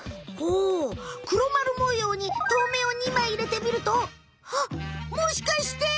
おくろまるもようにとうめいを２枚いれてみるとはっもしかして。